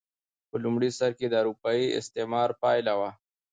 په لومړي سر کې د اروپايي استعمار پایله وه.